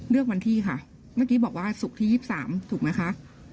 เลือกวันที่ค่ะเมื่อกี้บอกว่าศุกร์ที่๒๓ถูกไหมคะ